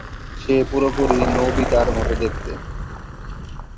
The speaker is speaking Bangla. সে পুরোপুরি নোবিতার মতো দেখতে।